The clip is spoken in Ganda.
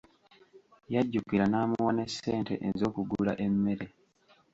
Yajjukira n'amuwa ne ssente ez'okugula emmere.